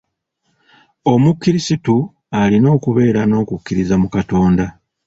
Omukiristu alina okubeera n'okukkiriza mu Katonda.